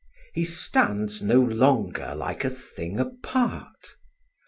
He stands no longer like a thing apart.